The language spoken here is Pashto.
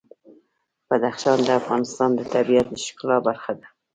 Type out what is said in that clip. بدخشان د افغانستان د طبیعت د ښکلا برخه ده.